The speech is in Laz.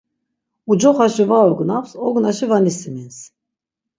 Ucoxaşi var ognaps, ognaşi va nisimins.